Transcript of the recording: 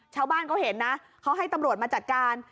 ชาวบ้านเขาเห็นนะเขาให้ตำรวจมาจัดการ